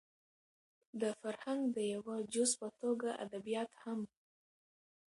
د فرهنګ د يوه جز په توګه ادبيات هم